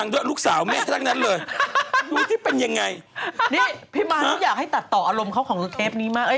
พี่มานุอยากให้ตัดต่ออารมณ์เขาของเทปนี้มาก